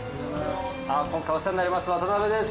今回お世話になります渡辺です